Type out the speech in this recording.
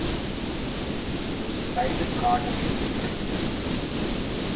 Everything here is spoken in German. Beide tragen Stiefel.